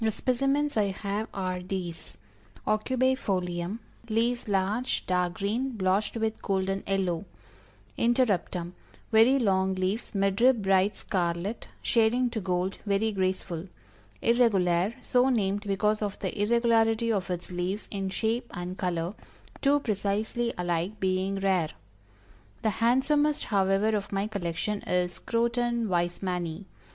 The specimens I have are these: Aucubæ Folium leaves large, dark green, blotched with golden yellow. Interruptum, very long leaves, mid rib bright scarlet, shading to gold very graceful. Irregulare, so named because of the irregularity of its leaves in shape and color two precisely alike being rare. The handsomest however of my collection, is Croton Weismanni.